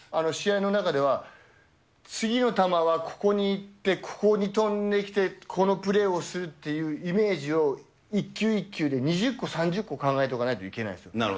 試合の中では、次の球はここに行って、ここに飛んできて、このプレーをするというイメージを一球一球で２０個、３０個考えておかないといけないんですよ。